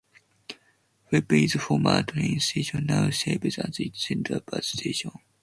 Freehold's former train station now serves as its central bus station.